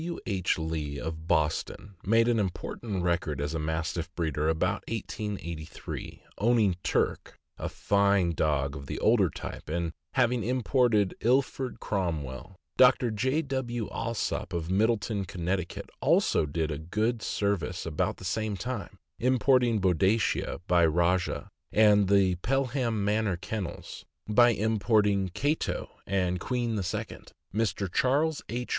W. H. Lee, of Boston, made an important record as a Mastiff breeder about 1883, owning Turk, a fine dog of the older type, and having imported Ilford Cromwell. Dr. J. W. Alsop, of Middletown, Conn., also did good serv ice about the same time, importing Boadicea, by Rajah; and the Pelham Manor Kennels, by importing Cato and Queen II. Mr. Charles H.